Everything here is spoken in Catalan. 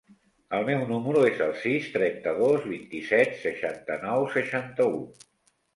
El meu número es el sis, trenta-dos, vint-i-set, seixanta-nou, seixanta-u.